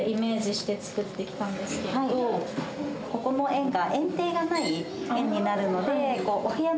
ここの園が。